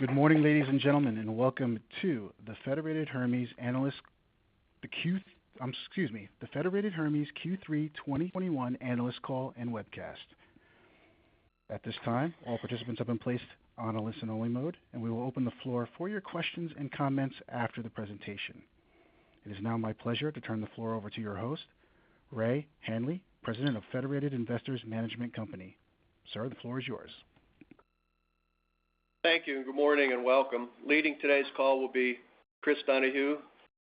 Good morning, ladies and gentlemen, and welcome to the Federated Hermes Q3 2021 analyst call and webcast. At this time, all participants have been placed on a listen-only mode, and we will open the floor for your questions and comments after the presentation. It is now my pleasure to turn the floor over to your host, Ray Hanley, President of Federated Investors Management Company. Sir, the floor is yours. Thank you, and good morning, and welcome. Leading today's call will be Chris Donahue,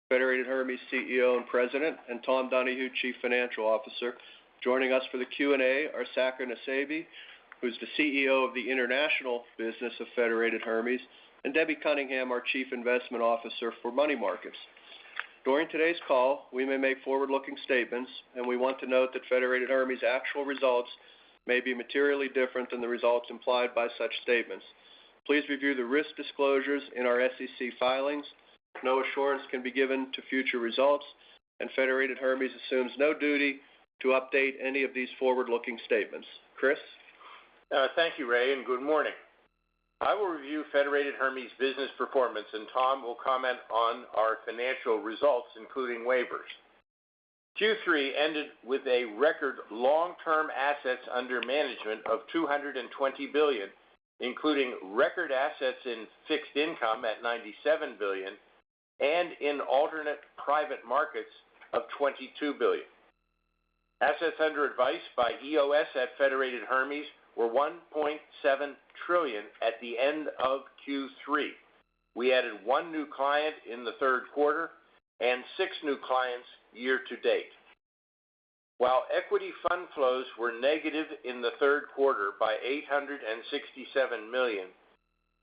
Federated Hermes CEO and President, and Tom Donahue, Chief Financial Officer. Joining us for the Q&A are Saker Nusseibeh, who's the CEO of the international business of Federated Hermes, and Debbie Cunningham, our Chief Investment Officer for Money Markets. During today's call, we may make forward-looking statements, and we want to note that Federated Hermes actual results may be materially different than the results implied by such statements. Please review the risk disclosures in our SEC filings. No assurance can be given to future results, and Federated Hermes assumes no duty to update any of these forward-looking statements. Chris. Thank you, Ray, and good morning. I will review Federated Hermes business performance, and Tom will comment on our financial results, including waivers. Q3 ended with a record long-term assets under management of $220 billion, including record assets in fixed income at $97 billion and in alternative private markets of $22 billion. Assets under advice by EOS at Federated Hermes were $1.7 trillion at the end of Q3. We added one new client in the third quarter and six new clients year to date. While equity fund flows were negative in the third quarter by $867 million,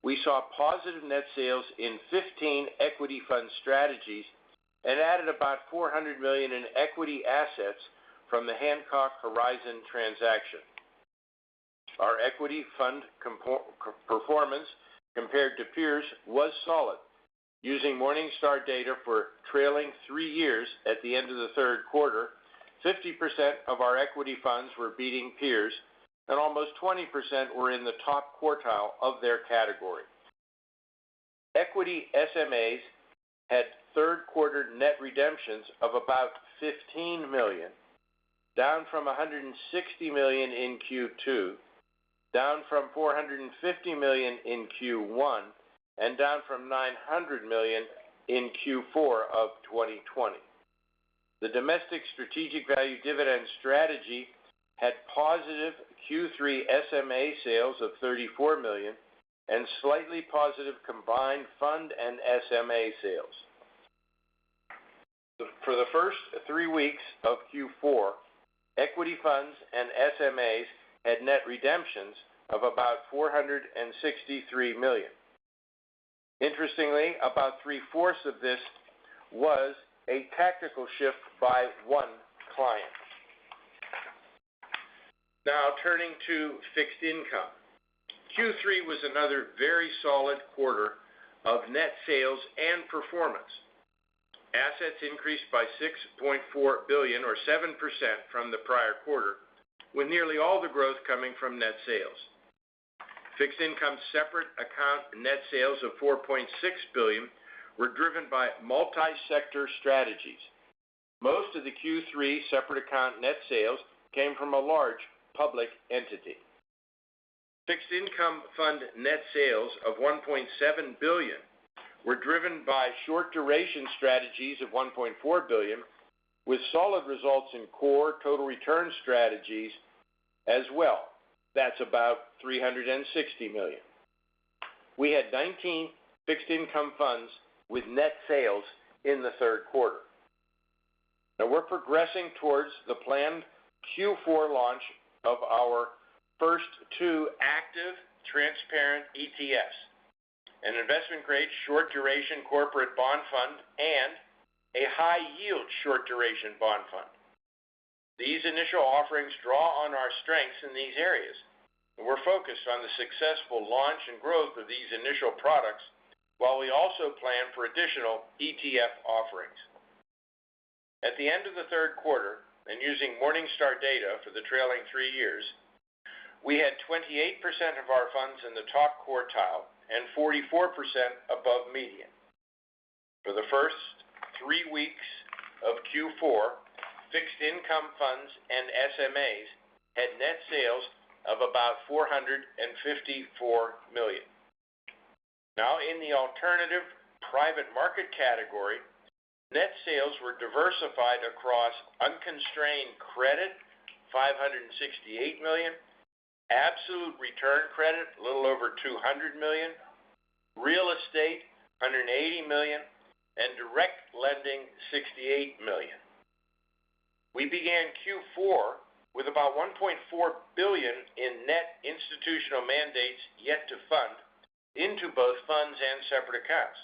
we saw positive net sales in 15 equity fund strategies and added about $400 million in equity assets from the Hancock Horizon transaction. Our equity fund performance compared to peers was solid. Using Morningstar data for trailing three years at the end of the third quarter, 50% of our equity funds were beating peers, and almost 20% were in the top quartile of their category. Equity SMAs had third quarter net redemptions of about $15 million, down from $160 million in Q2, down from $450 million in Q1, and down from $900 million in Q4 of 2020. The domestic Strategic Value Dividend strategy had positive Q3 SMA sales of $34 million and slightly positive combined fund and SMA sales. For the first three weeks of Q4, equity funds and SMAs had net redemptions of about $463 million. Interestingly, about three-fourths of this was a tactical shift by one client. Now turning to fixed income. Q3 was another very solid quarter of net sales and performance. Assets increased by $6.4 billion or 7% from the prior quarter, with nearly all the growth coming from net sales. Fixed income separate account net sales of $4.6 billion were driven by multi-sector strategies. Most of the Q3 separate account net sales came from a large public entity. Fixed income fund net sales of $1.7 billion were driven by short duration strategies of $1.4 billion, with solid results in core total return strategies as well. That's about $360 million. We had 19 fixed income funds with net sales in the third quarter. Now we're progressing towards the planned Q4 launch of our first two active, transparent ETFs, an investment-grade short duration corporate bond fund, and a high-yield short duration bond fund. These initial offerings draw on our strengths in these areas, and we're focused on the successful launch and growth of these initial products while we also plan for additional ETF offerings. At the end of the third quarter, and using Morningstar data for the trailing three years, we had 28% of our funds in the top quartile and 44% above median. For the first three weeks of Q4, fixed income funds and SMAs had net sales of about $454 million. Now in the alternative private market category, net sales were diversified across unconstrained credit, $568 million, absolute return credit, a little over $200 million, real estate, $180 million, and direct lending, $68 million. We began Q4 with about $1.4 billion in net institutional mandates yet to fund into both funds and separate accounts.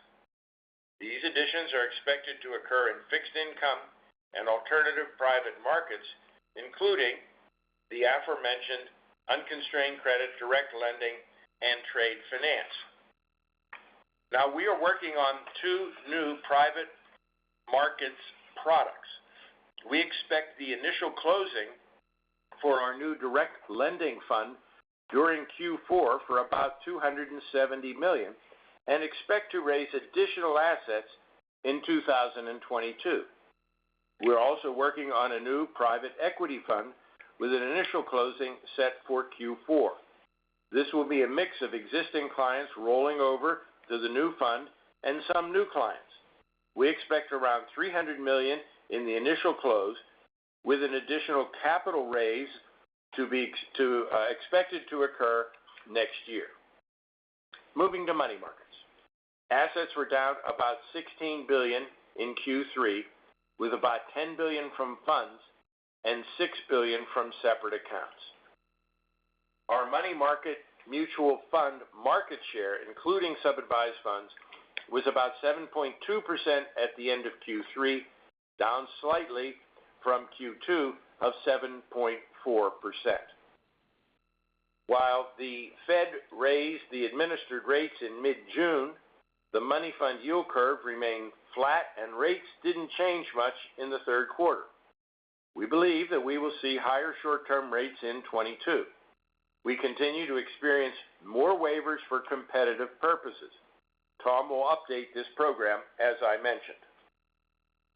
These additions are expected to occur in fixed income and alternative private markets, including the aforementioned unconstrained credit, direct lending, and trade finance. Now we are working on two new private markets products. We expect the initial closing for our new direct lending fund during Q4 for about $270 million and expect to raise additional assets in 2022. We're also working on a new private equity fund with an initial closing set for Q4. This will be a mix of existing clients rolling over to the new fund and some new clients. We expect around $300 million in the initial close with an additional capital raise expected to occur next year. Moving to money markets. Assets were down about $16 billion in Q3 with about $10 billion from funds and $6 billion from separate accounts. Our money market mutual fund market share, including sub-advised funds, was about 7.2% at the end of Q3, down slightly from Q2 of 7.4%. While the Fed raised the administered rates in mid-June, the money fund yield curve remained flat and rates didn't change much in the third quarter. We believe that we will see higher short-term rates in 2022. We continue to experience more waivers for competitive purposes. Tom will update this program, as I mentioned.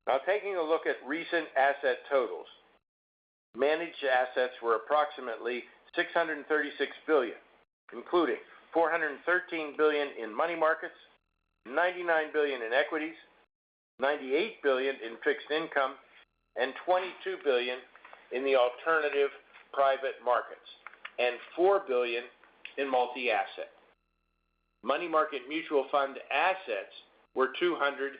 Now taking a look at recent asset totals. Managed assets were approximately $636 billion, including $413 billion in money markets, $99 billion in equities, $98 billion in fixed income, and $22 billion in the alternative private markets, and $4 billion in multi-asset. Money market mutual fund assets were $290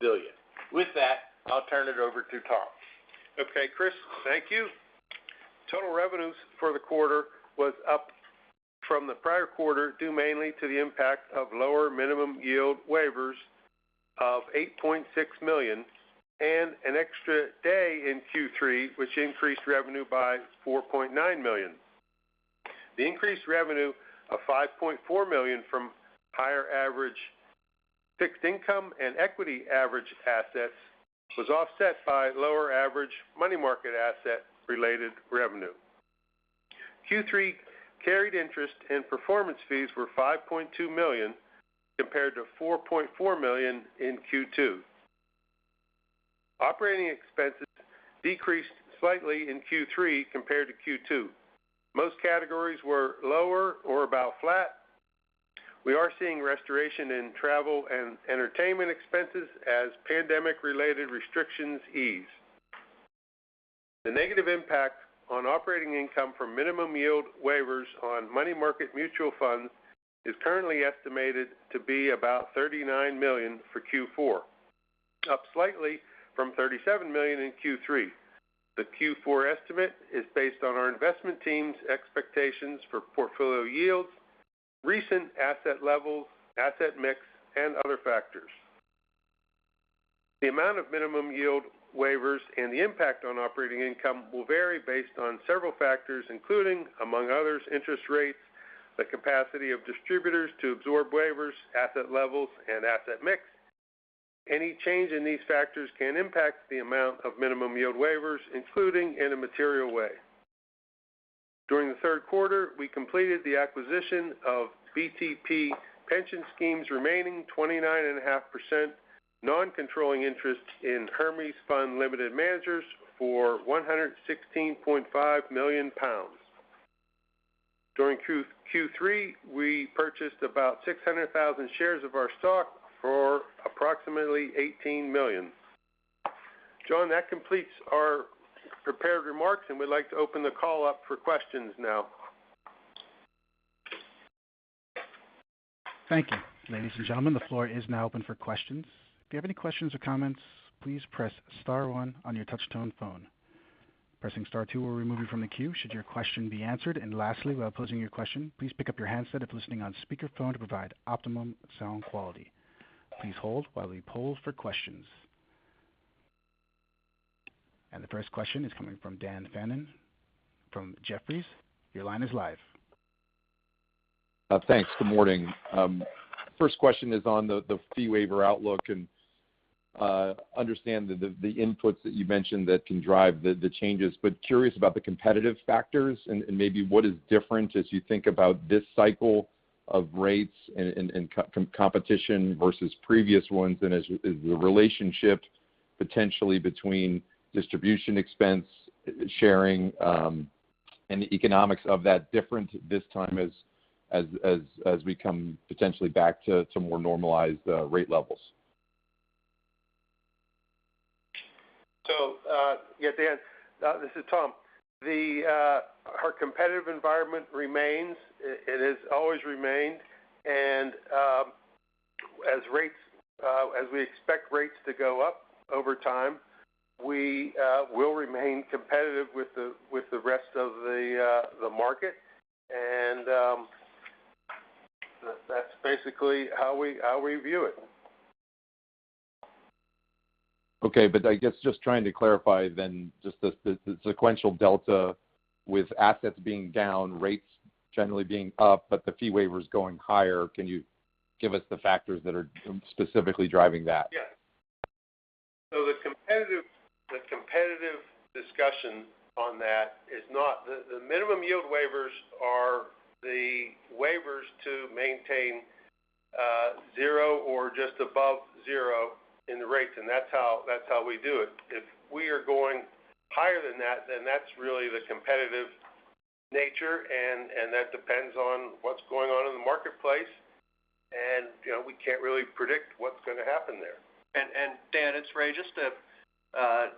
billion. With that, I'll turn it over to Tom. Okay, Chris, thank you. Total revenues for the quarter was up from the prior quarter due mainly to the impact of lower minimum yield waivers of $8.6 million and an extra day in Q3 which increased revenue by $4.9 million. The increased revenue of $5.4 million from higher average fixed income and equity average assets was offset by lower average money market asset related revenue. Q3 carried interest and performance fees were $5.2 million compared to $4.4 million in Q2. Operating expenses decreased slightly in Q3 compared to Q2. Most categories were lower or about flat. We are seeing restoration in travel and entertainment expenses as pandemic related restrictions ease. The negative impact on operating income from minimum yield waivers on money market mutual funds is currently estimated to be about $39 million for Q4, up slightly from $37 million in Q3. The Q4 estimate is based on our investment team's expectations for portfolio yields, recent asset levels, asset mix, and other factors. The amount of minimum yield waivers and the impact on operating income will vary based on several factors, including, among others, interest rates, the capacity of distributors to absorb waivers, asset levels, and asset mix. Any change in these factors can impact the amount of minimum yield waivers, including in a material way. During the third quarter, we completed the acquisition of the BT Pension Scheme's remaining 29.5% non-controlling interest in Hermes Fund Managers Limited for 116.5 million pounds. During Q3, we purchased about 600,000 shares of our stock for approximately $18 million. John, that completes our prepared remarks, and we'd like to open the call up for questions now. Thank you. Ladies and gentlemen, the floor is now open for questions. If you have any questions or comments, please press star one on your touch-tone phone. Pressing star two will remove you from the queue should your question be answered. Lastly, while posing your question, please pick up your handset if listening on speakerphone to provide optimum sound quality. Please hold while we poll for questions. The first question is coming from Dan Fannon from Jefferies. Your line is live. Thanks. Good morning. First question is on the fee waiver outlook, and I understand the inputs that you mentioned that can drive the changes, but curious about the competitive factors and maybe what is different as you think about this cycle of rates and competition versus previous ones and is the relationship potentially between distribution expense sharing and the economics of that different this time as we come potentially back to more normalized rate levels? Yes Dan, this is Tom. Our competitive environment remains. It has always remained. As we expect rates to go up over time, we will remain competitive with the rest of the market. That's basically how we view it. Okay. I guess just trying to clarify then, just the sequential delta with assets being down, rates generally being up, but the fee waivers going higher. Can you give us the factors that are specifically driving that? Yes. The competitive discussion on that is not the minimum yield waivers are the waivers to maintain zero or just above zero in the rates, and that's how we do it. If we are going higher than that, then that's really the competitive nature and that depends on what's going on in the marketplace. You know, we can't really predict what's going to happen there. Dan, it's Ray. Just to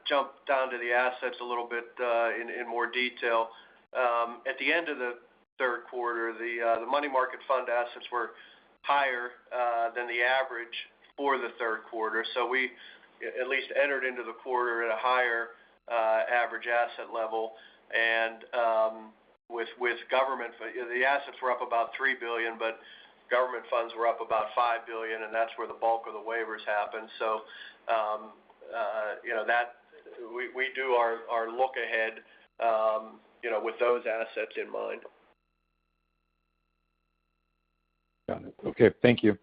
jump down to the assets a little bit, in more detail. At the end of the third quarter, the money market fund assets were higher than the average for the third quarter. We at least entered into the quarter at a higher average asset level. The assets were up about $3 billion, but government funds were up about $5 billion, and that's where the bulk of the waivers happened. You know, we do our look ahead, you know, with those assets in mind. Got it. Okay. Thank you.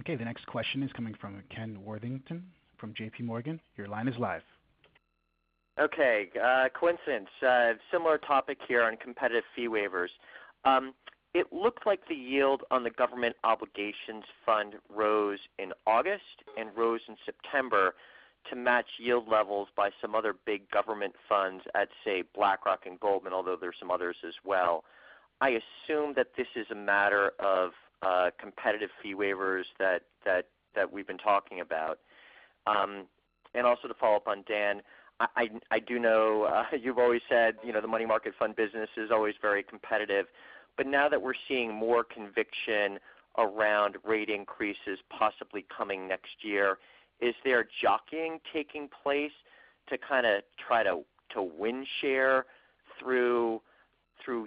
Okay. The next question is coming from Ken Worthington from JPMorgan. Your line is live. Okay. Coincidence. Similar topic here on competitive fee waivers. It looked like the yield on the Government Obligations Fund rose in August and rose in September to match yield levels by some other big government funds at say, BlackRock and Goldman, although there's some others as well. I assume that this is a matter of competitive fee waivers that we've been talking about. To follow up on Dan, I do know you've always said, you know, the money market fund business is always very competitive. Now that we're seeing more conviction around rate increases possibly coming next year, is there jockeying taking place to kind of try to win share through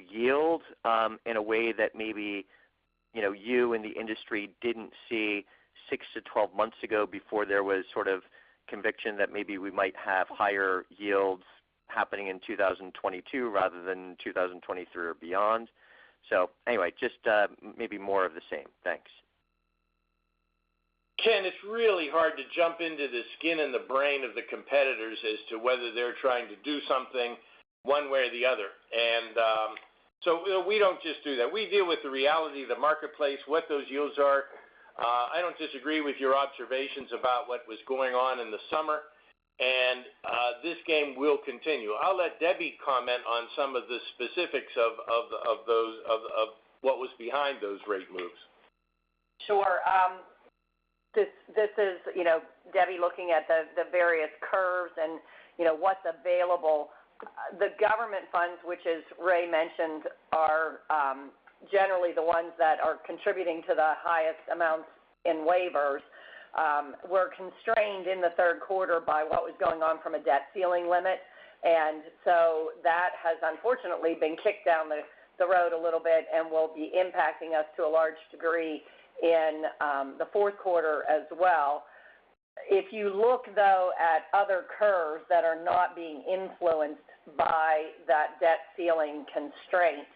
yield in a way that maybe you know you in the industry didn't see six to 12 months ago before there was sort of conviction that maybe we might have higher yields happening in 2022 rather than 2023 or beyond? Anyway, just maybe more of the same. Thanks. Ken, it's really hard to jump into the skin and the brain of the competitors as to whether they're trying to do something one way or the other. We don't just do that. We deal with the reality of the marketplace, what those yields are. I don't disagree with your observations about what was going on in the summer. This game will continue. I'll let Debbie comment on some of the specifics of what was behind those rate moves. Sure. This is, you know, Debbie looking at the various curves and, you know, what's available. The government funds, which as Ray mentioned, are generally the ones that are contributing to the highest amounts in waivers, were constrained in the third quarter by what was going on from a debt ceiling limit. That has unfortunately been kicked down the road a little bit and will be impacting us to a large degree in the fourth quarter as well. If you look though at other curves that are not being influenced by that debt ceiling constraint,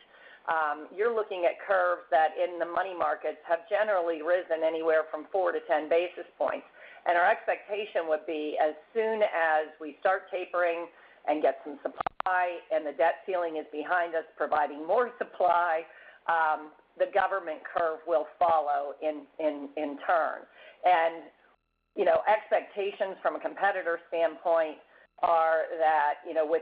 you're looking at curves that in the money markets have generally risen anywhere from 4-10 basis points. Our expectation would be as soon as we start tapering and get some supply and the debt ceiling is behind us providing more supply, the government curve will follow in turn. You know, expectations from a competitor standpoint are that, you know, with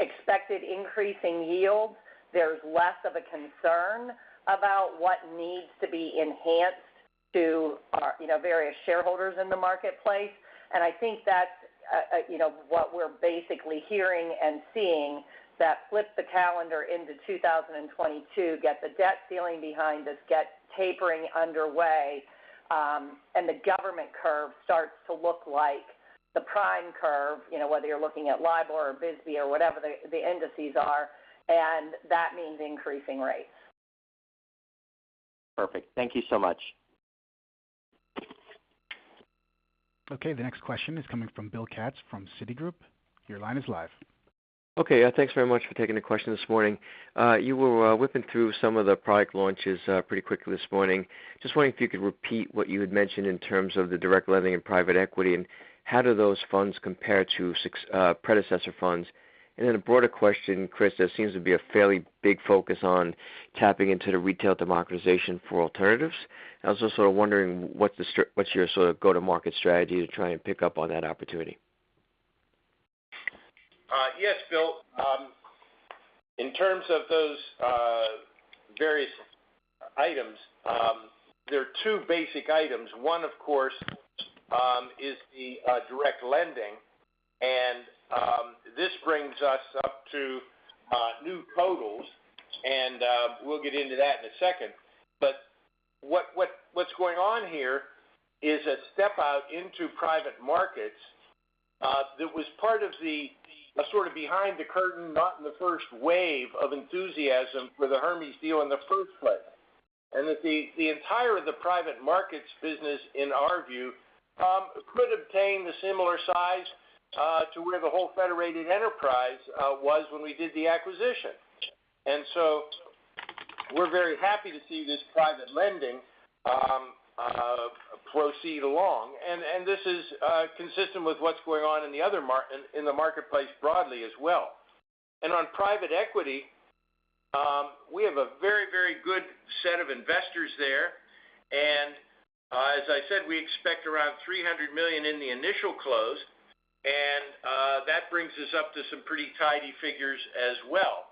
expected increasing yields, there's less of a concern about what needs to be enhanced to our, you know, various shareholders in the marketplace. I think that's, you know, what we're basically hearing and seeing that flip the calendar into 2022, get the debt ceiling behind us, get tapering underway, and the government curve starts to look like the prime curve, you know, whether you're looking at LIBOR or BSBY or whatever the indices are, and that means increasing rates. Perfect. Thank you so much. Okay. The next question is coming from Bill Katz from Citigroup. Your line is live. Okay. Thanks very much for taking the question this morning. You were whipping through some of the product launches pretty quickly this morning. Just wondering if you could repeat what you had mentioned in terms of the direct lending and private equity, and how do those funds compare to predecessor funds? A broader question, Chris, there seems to be a fairly big focus on tapping into the retail democratization for alternatives. I was also sort of wondering what's your sort of go-to-market strategy to try and pick up on that opportunity? Yes, Bill. In terms of those various items, there are two basic items. One, of course, is the direct lending, and this brings us up to new totals, and we'll get into that in a second. What's going on here is a step out into private markets that was part of the sort of behind the curtain, not in the first wave of enthusiasm for the Hermes deal in the first place. That the entire of the private markets business, in our view, could obtain the similar size to where the whole Federated enterprise was when we did the acquisition. We're very happy to see this private lending proceed along. This is consistent with what's going on in the other marketplace broadly as well. On private equity, we have a very good set of investors there. As I said, we expect around $300 million in the initial close. That brings us up to some pretty tidy figures as well.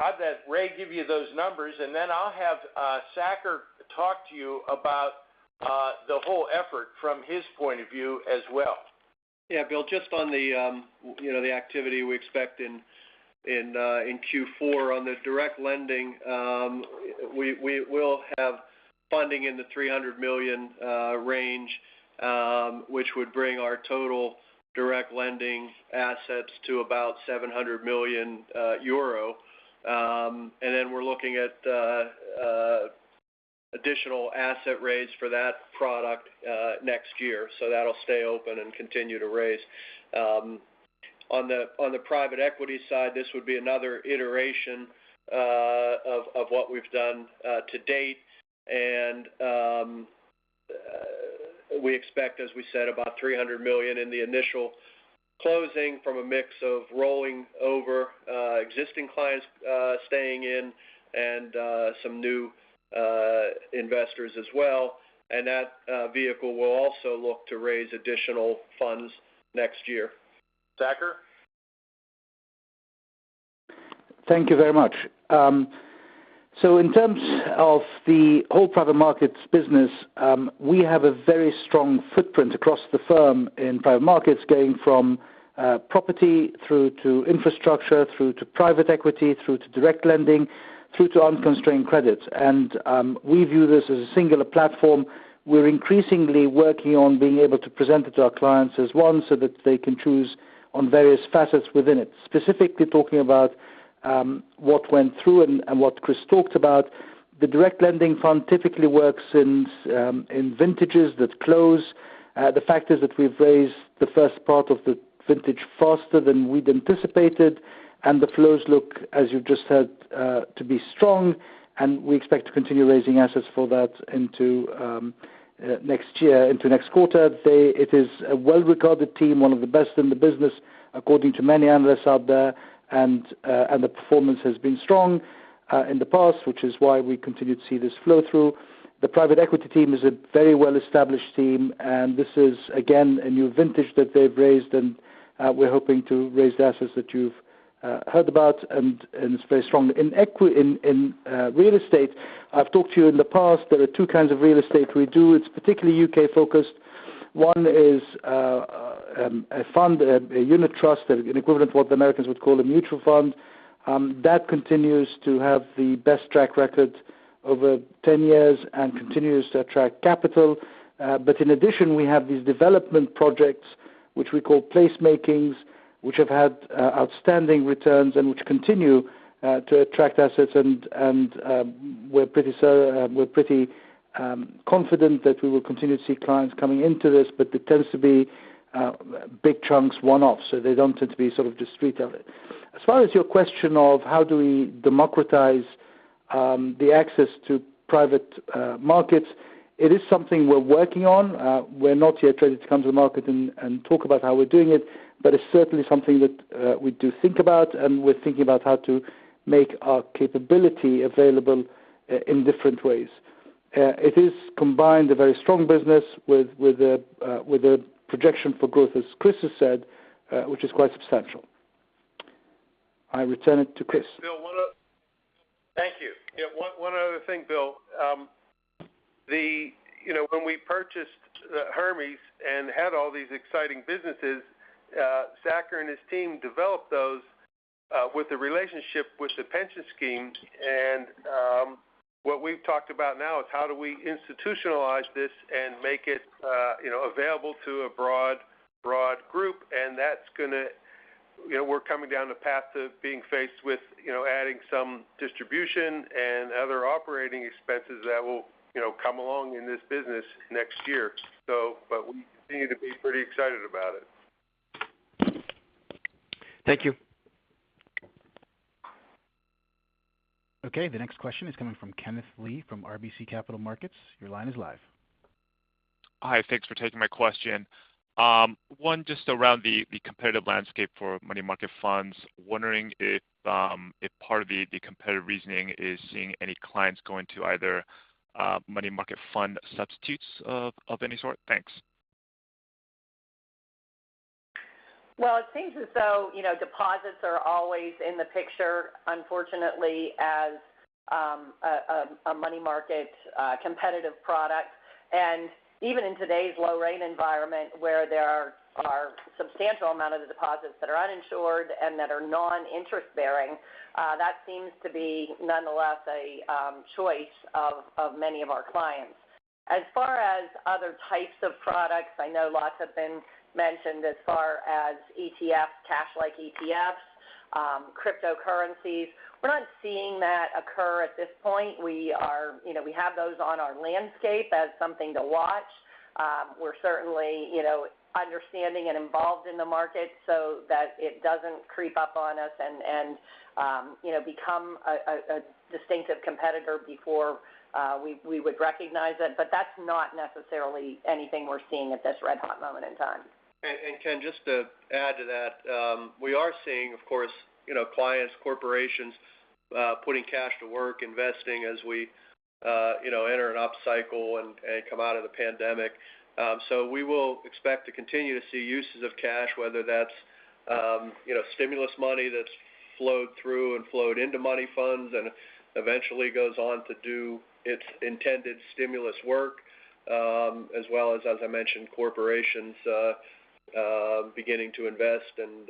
I'll let Ray give you those numbers, and then I'll have Saker talk to you about the whole effort from his point of view as well. Yeah, Bill, just on the, you know, the activity we expect in Q4. On the direct lending, we will have funding in the 300 million range, which would bring our total direct lending assets to about 700 million euro. Then we're looking at additional asset raise for that product next year. That'll stay open and continue to raise. On the private equity side, this would be another iteration of what we've done to date. We expect, as we said, about $300 million in the initial closing from a mix of rolling over existing clients staying in and some new investors as well. That vehicle will also look to raise additional funds next year. Saker? Thank you very much. So in terms of the whole private markets business, we have a very strong footprint across the firm in private markets, going from property through to infrastructure, through to private equity, through to direct lending, through to unconstrained credit. We view this as a singular platform. We're increasingly working on being able to present it to our clients as one, so that they can choose on various facets within it. Specifically talking about what went through and what Chris talked about. The direct lending fund typically works in vintages that close. The fact is that we've raised the first part of the vintage faster than we'd anticipated, and the flows look, as you just said, to be strong, and we expect to continue raising assets for that into next year, into next quarter. It is a well-regarded team, one of the best in the business, according to many analysts out there. The performance has been strong in the past, which is why we continue to see this flow through. The private equity team is a very well-established team, and this is again a new vintage that they've raised, and we're hoping to raise the assets that you've heard about, and it's very strong. In real estate, I've talked to you in the past, there are two kinds of real estate we do. It's particularly U.K.-focused. One is a fund, a unit trust, an equivalent of what the Americans would call a mutual fund that continues to have the best track record over 10 years and continues to attract capital. In addition, we have these development projects, which we call placemaking, which have had outstanding returns and which continue to attract assets. We're pretty confident that we will continue to see clients coming into this. There tends to be big chunks one-off, so they don't tend to be sort of distributed. As far as your question of how do we democratize the access to private markets, it is something we're working on. We're not yet ready to come to the market and talk about how we're doing it. It's certainly something that we do think about, and we're thinking about how to make our capability available in different ways. It is combined a very strong business with a projection for growth, as Chris has said, which is quite substantial. I return it to Chris. Bill, thank you. Yeah, one other thing, Bill. You know, when we purchased Hermes and had all these exciting businesses, Saker and his team developed those with the relationship with the pension scheme. What we've talked about now is how do we institutionalize this and make it, you know, available to a broad group. That's gonna. You know, we're coming down the path to being faced with, you know, adding some distribution and other operating expenses that will, you know, come along in this business next year. But we continue to be pretty excited about it. Thank you. Okay. The next question is coming from Kenneth Lee from RBC Capital Markets. Your line is live. Hi. Thanks for taking my question. One just around the competitive landscape for money market funds. Wondering if part of the competitive reasoning is seeing any clients going to either money market fund substitutes of any sort? Thanks. Well, it seems as though, you know, deposits are always in the picture, unfortunately, as a money market competitive product. Even in today's low-rate environment where there are substantial amount of the deposits that are uninsured and that are non-interest-bearing, that seems to be nonetheless a choice of many of our clients. As far as other types of products, I know lots have been mentioned as far as ETFs, cash-like ETFs, cryptocurrencies. We're not seeing that occur at this point. You know, we have those on our landscape as something to watch. We're certainly, you know, understanding and involved in the market so that it doesn't creep up on us and become a distinctive competitor before we would recognize it. That's not necessarily anything we're seeing at this red-hot moment in time. Ken, just to add to that, we are seeing, of course, you know, clients, corporations putting cash to work, investing as we, you know, enter an upcycle and come out of the pandemic. We will expect to continue to see uses of cash, whether that's, you know, stimulus money that's flowed through and flowed into money funds and eventually goes on to do its intended stimulus work, as well as I mentioned, corporations beginning to invest and,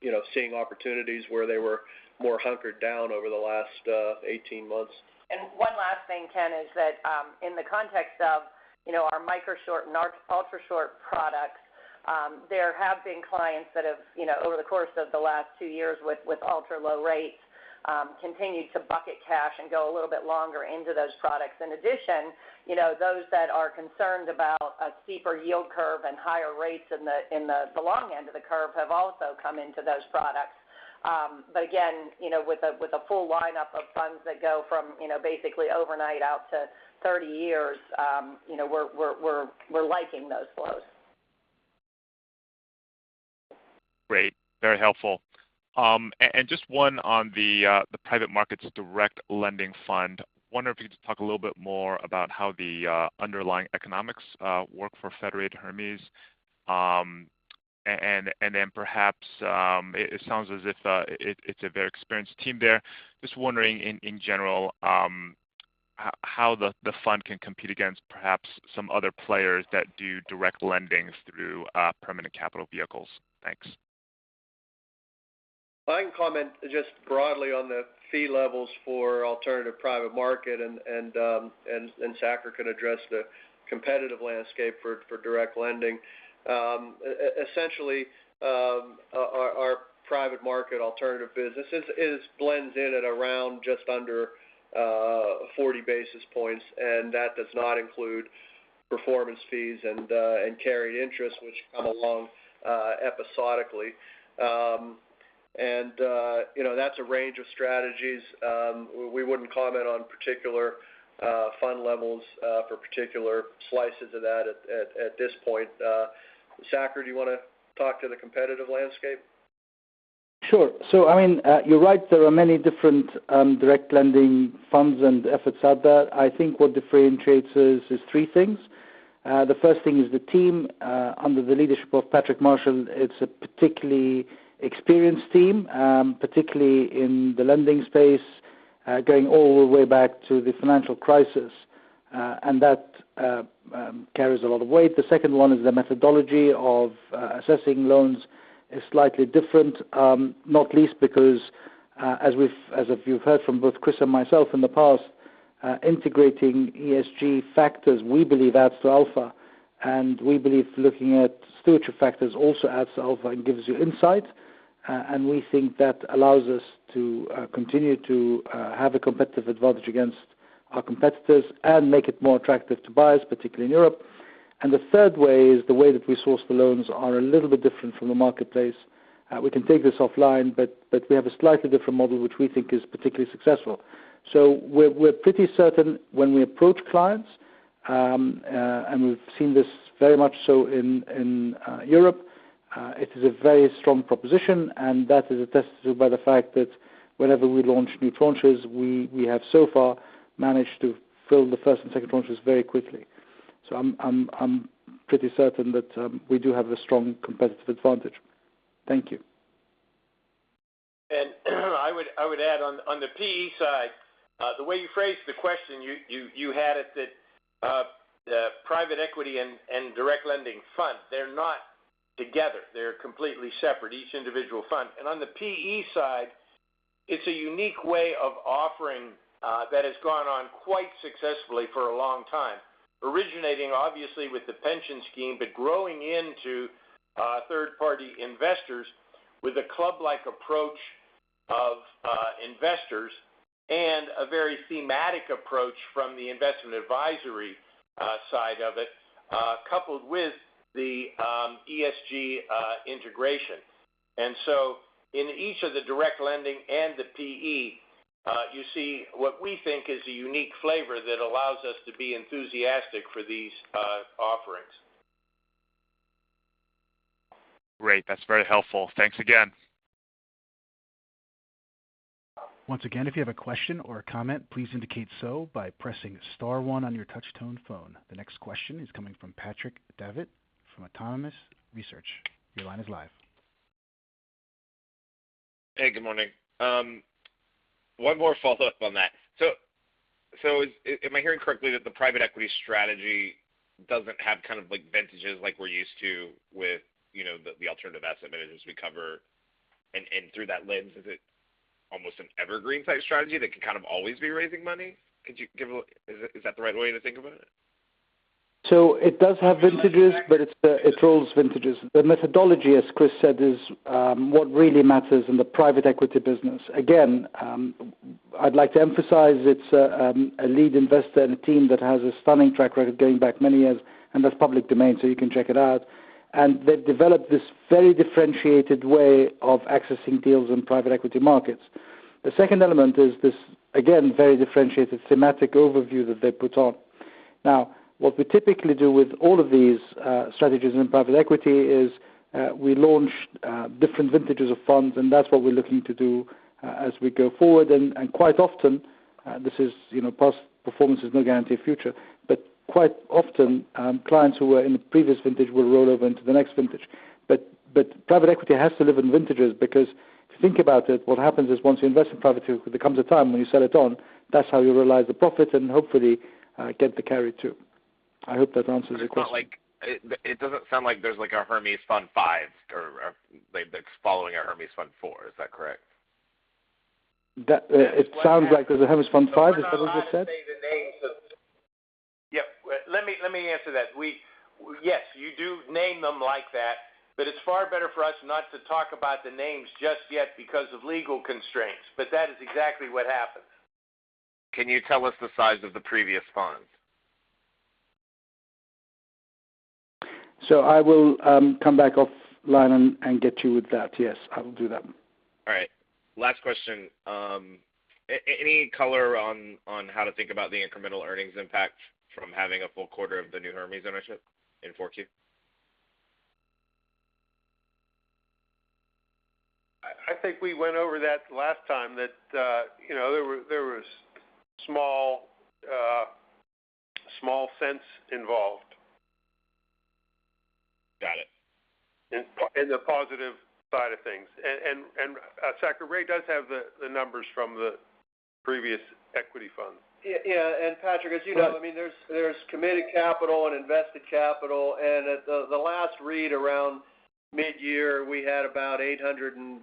you know, seeing opportunities where they were more hunkered down over the last eighteen months. One last thing, Ken, is that, in the context of, you know, our Microshort and our ultra short products, there have been clients that have, you know, over the course of the last two years with ultra-low rates, continued to bucket cash and go a little bit longer into those products. In addition, you know, those that are concerned about a steeper yield curve and higher rates in the long end of the curve have also come into those products. Again, you know, with a full lineup of funds that go from, you know, basically overnight out to 30 years, you know, we're liking those flows. Great. Very helpful. Just one on the private markets direct lending fund. Wonder if you could just talk a little bit more about how the underlying economics work for Federated Hermes. Perhaps it sounds as if it’s a very experienced team there. Just wondering in general how the fund can compete against perhaps some other players that do direct lendings through permanent capital vehicles. Thanks. I can comment just broadly on the fee levels for alternative private market and Saker can address the competitive landscape for direct lending. Essentially, our private market alternative business blends in at around just under 40 basis points, and that does not include performance fees and carry interest, which come along episodically. You know, that's a range of strategies. We wouldn't comment on particular fund levels for particular slices of that at this point. Saker, do you wanna talk to the competitive landscape? Sure. I mean, you're right. There are many different direct lending funds and efforts out there. I think what differentiates us is three things. The first thing is the team under the leadership of Patrick Marshall. It's a particularly experienced team, particularly in the lending space, going all the way back to the financial crisis. That carries a lot of weight. The second one is the methodology of assessing loans is slightly different, not least because as you've heard from both Chris and myself in the past, integrating ESG factors, we believe adds to alpha. We believe looking at stewardship factors also adds to alpha and gives you insight. We think that allows us to continue to have a competitive advantage against our competitors and make it more attractive to buyers, particularly in Europe. The third way is the way that we source the loans are a little bit different from the marketplace. We can take this offline, but we have a slightly different model, which we think is particularly successful. We're pretty certain when we approach clients, and we've seen this very much so in Europe, it is a very strong proposition, and that is attested to by the fact that whenever we launch new tranches, we have so far managed to fill the first and second tranches very quickly. I'm pretty certain that we do have a strong competitive advantage. Thank you. I would add on the PE side, the way you phrased the question, you had it that the private equity and direct lending fund, they're not together. They're completely separate, each individual fund. On the PE side, it's a unique way of offering that has gone on quite successfully for a long time, originating obviously with the pension scheme, but growing into third-party investors with a club-like approach of investors and a very thematic approach from the investment advisory side of it, coupled with the ESG integration. In each of the direct lending and the PE, you see what we think is a unique flavor that allows us to be enthusiastic for these offerings. Great. That's very helpful. Thanks again. Once again, if you have a question or a comment, please indicate so by pressing star one on your touch tone phone. The next question is coming from Patrick Davitt from Autonomous Research. Your line is live. Hey, good morning. One more follow-up on that. Am I hearing correctly that the private equity strategy doesn't have kind of like vintages like we're used to with, you know, the alternative asset managers we cover. Through that lens, is it almost an evergreen type strategy that can kind of always be raising money? Is that the right way to think about it? It does have vintages, but it rolls vintages. The methodology, as Chris said, is what really matters in the private equity business. Again, I'd like to emphasize it's a lead investor and a team that has a stunning track record going back many years, and that's public domain, so you can check it out. They've developed this very differentiated way of accessing deals in private equity markets. The second element is this, again, very differentiated thematic overview that they put on. Now, what we typically do with all of these strategies in private equity is we launch different vintages of funds, and that's what we're looking to do as we go forward. Quite often, this is, you know, past performance is no guarantee of future. Quite often, clients who are in the previous vintage will roll over into the next vintage. Private equity has to live in vintages because if you think about it, what happens is once you invest in private equity, there comes a time when you sell it on. That's how you realize the profit and hopefully get the carry too. I hope that answers your question. It doesn't sound like there's like a Hermes Fund five or like that's following a Hermes Fund four. Is that correct? That. It sounds like there's a Hermes Fund 5. Is that what you said? Yeah. Let me answer that. Yes, you do name them like that, but it's far better for us not to talk about the names just yet because of legal constraints. That is exactly what happens. Can you tell us the size of the previous funds? I will come back off the line and get back to you with that. Yes, I will do that. All right. Last question. Any color on how to think about the incremental earnings impact from having a full quarter of the new Hermes ownership in 4Q? I think we went over that last time that, you know, there was small cents involved. Got it. In the positive side of things. Saker, Ray does have the numbers from the previous equity fund. Yeah, yeah. Patrick, as you know, I mean, there's committed capital and invested capital. At the last read around midyear, we had about $850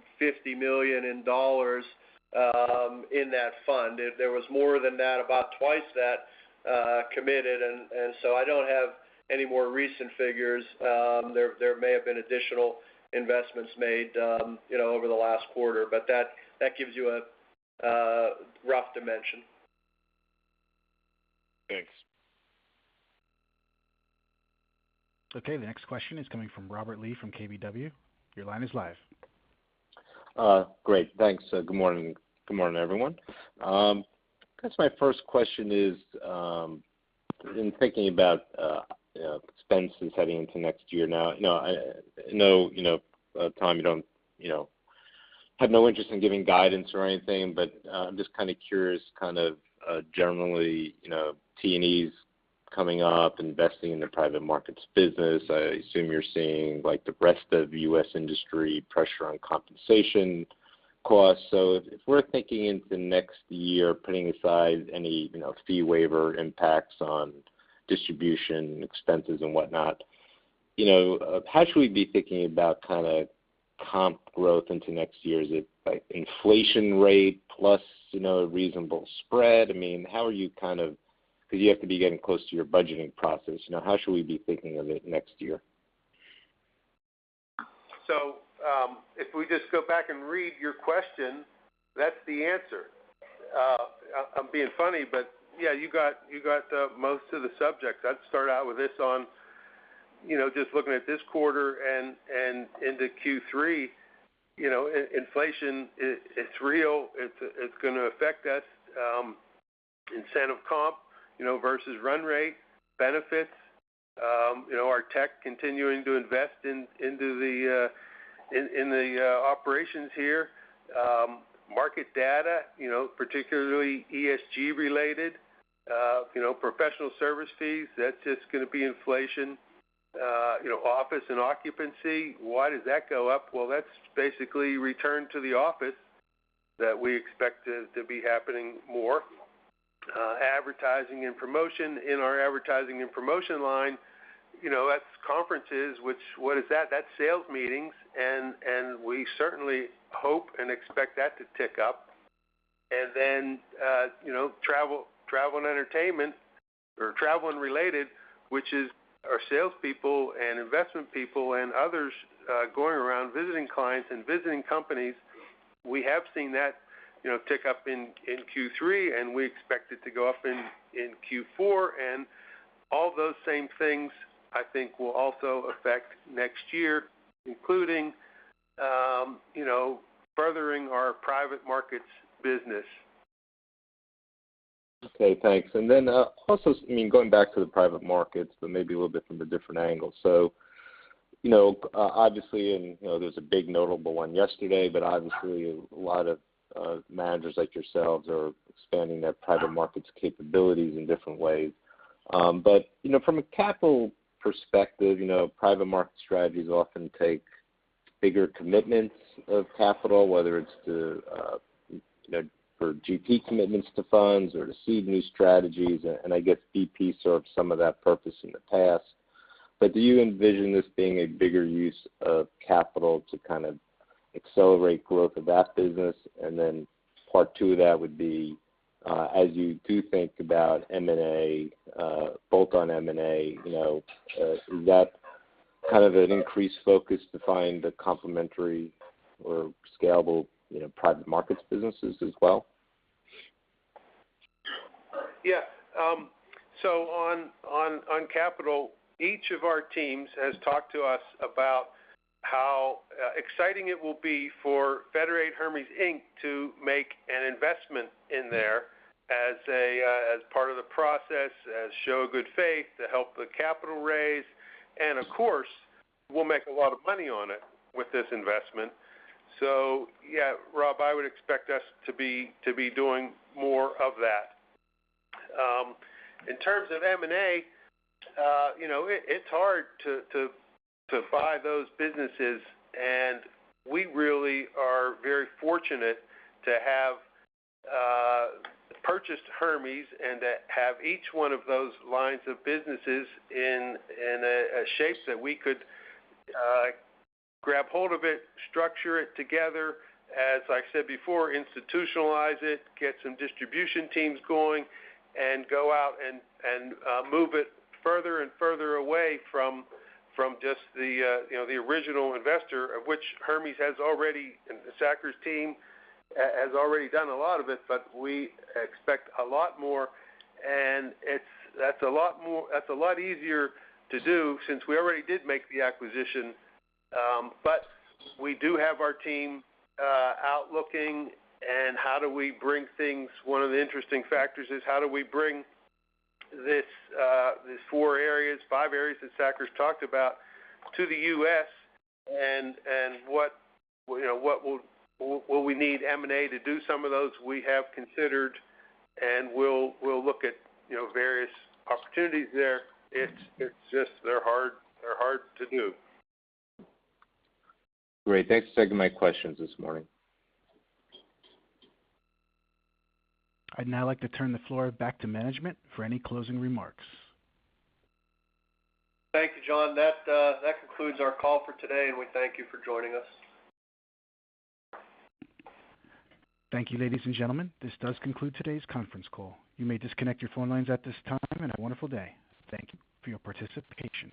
million in that fund. There was more than that, about twice that, committed. So I don't have any more recent figures. There may have been additional investments made, you know, over the last quarter. That gives you a rough dimension. Thanks. Okay. The next question is coming from Robert Lee from KBW. Your line is live. Great. Thanks. Good morning. Good morning, everyone. I guess my first question is, in thinking about, you know, expenses heading into next year now. You know, I know, you know, Tom, you don't, you know, have no interest in giving guidance or anything. I'm just kind of curious, kind of, generally, you know, T&Es coming up, investing in the private markets business. I assume you're seeing like the rest of the U.S. industry pressure on compensation costs. If we're thinking into next year, putting aside any, you know, fee waiver impacts on distribution expenses and whatnot. You know, how should we be thinking about kind of comp growth into next year? Is it like inflation rate plus, you know, reasonable spread? I mean, how are you kind of because you have to be getting close to your budgeting process. You know, how should we be thinking of it next year? If we just go back and read your question, that's the answer. I'm being funny, but yeah, you got most of the subjects. I'd start out with this on, you know, just looking at this quarter and into Q3. You know, inflation, it's real. It's going to affect us. Incentive comp, you know, versus run rate benefits. You know, our tech continuing to invest into the operations here. Market data, you know, particularly ESG related. You know, professional service fees, that's just going to be inflation. You know, office and occupancy. Why does that go up? Well, that's basically return to the office that we expect to be happening more. Advertising and promotion. In our advertising and promotion line, you know, that's conferences, which what is that? That's sales meetings. We certainly hope and expect that to tick up. You know, travel and entertainment or travel and related, which is our salespeople and investment people and others, going around visiting clients and visiting companies. We have seen that, you know, tick up in Q3, and we expect it to go up in Q4. All those same things, I think, will also affect next year, including, you know, furthering our private markets business. Okay, thanks. Also, I mean, going back to the private markets, but maybe a little bit from a different angle. You know, obviously, and you know, there's a big notable one yesterday. Obviously, a lot of managers like yourselves are expanding their private markets capabilities in different ways. You know, from a capital perspective, you know, private market strategies often take bigger commitments of capital, whether it's to, you know, for GP commitments to funds or to seed new strategies, and I guess BP served some of that purpose in the past. Do you envision this being a bigger use of capital to kind of accelerate growth of that business? Part two of that would be, as you do think about M&A, both on M&A, you know, is that kind of an increased focus to find the complementary or scalable, you know, private markets businesses as well? Yeah. So on capital, each of our teams has talked to us about how exciting it will be for Federated Hermes, Inc. to make an investment in there as part of the process to show good faith to help the capital raise. Of course, we'll make a lot of money on it with this investment. Yeah, Rob, I would expect us to be doing more of that. In terms of M&A, you know, it's hard to buy those businesses, and we really are very fortunate to have purchased Hermes and to have each one of those lines of businesses in a shape that we could grab hold of it, structure it together, as I said before, institutionalize it, get some distribution teams going, and go out and move it further and further away from just the original investor of which Hermes has already, and the Saker's team has already done a lot of it, but we expect a lot more. That's a lot easier to do since we already did make the acquisition. We do have our team out looking and how do we bring things One of the interesting factors is how do we bring this, these four areas, five areas that Saker's talked about to the U.S. and what, you know, what will we need M&A to do some of those? We have considered, and we'll look at, you know, various opportunities there. It's just they're hard to do. Great. Thanks for taking my questions this morning. I'd now like to turn the floor back to management for any closing remarks. Thank you, John. That concludes our call for today, and we thank you for joining us. Thank you, ladies and gentlemen. This does conclude today's conference call. You may disconnect your phone lines at this time, and have a wonderful day. Thank you for your participation.